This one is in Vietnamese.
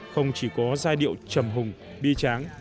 không chỉ có giai điệu trầm hùng bia tráng